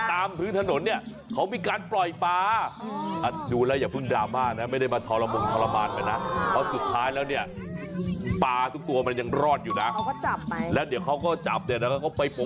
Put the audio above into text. ตามพื้นถนนเนี่ยเขามีการปล่อยปลา